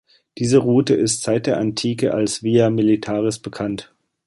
Diese Route ist seit der Antike als Via Militaris bekannt.